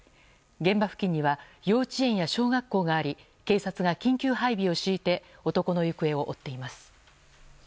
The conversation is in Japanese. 現場付近には幼稚園や小学校があり警察が緊急配備を敷いて男の行方を追っています。